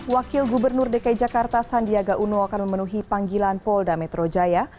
wakil gubernur dki jakarta sandiaga uno akan memenuhi panggilan polda metro jaya